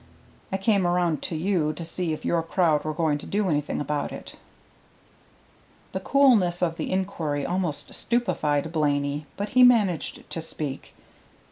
I came around to you to see if your crowd were going to do anything about it." The coolness of the inquiry almost stupefied Blaney, but he managed to speak.